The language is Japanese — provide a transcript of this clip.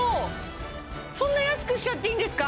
そんな安くしちゃっていいんですか？